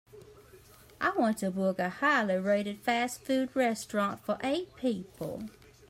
I want to book a highly rated fast food restaurant for eight people.